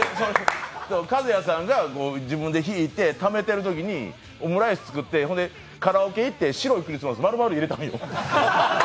和弥さんが自分で弾いてためているときにオムライス作ってほんでカラオケ行って「白いクリスマス」丸々入れたんよ。